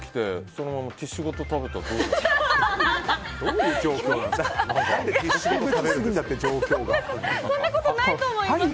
そんなことないと思います。